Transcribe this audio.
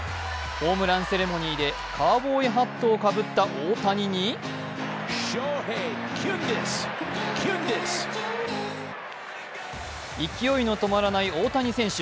ホームランセレモニーでカウボーイハットをかぶった大谷に勢いの止まらない大谷選手。